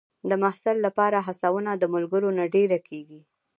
د محصل لپاره هڅونه د ملګرو نه ډېره کېږي.